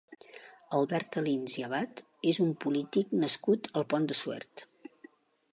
Albert Alins i Abad és un polític nascut al Pont de Suert.